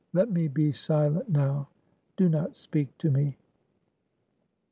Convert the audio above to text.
Let me be silent now; do not speak to me."